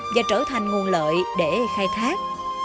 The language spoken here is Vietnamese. và trở thành nguồn lợi để khai thác